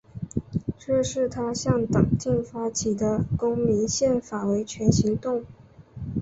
这是他向党禁发起的公民宪法维权行动。